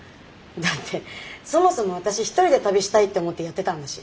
だってそもそも私一人で旅したいって思ってやってたんだし。